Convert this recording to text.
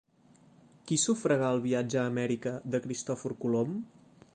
Qui sufragà el viatge a Amèrica de Cristòfor Colom?